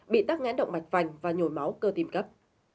bị tắc nghẽn động mạch vành và nhồi máu cơ tim cấp